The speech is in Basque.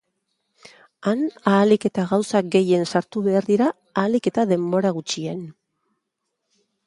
Han ahalik eta gauza gehien sartu behar dira ahalik eta denbora gutxien.